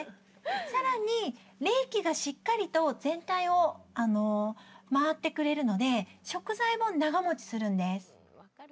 さらに、冷気がしっかりと全体を回ってくれるので食材も長もちするんです。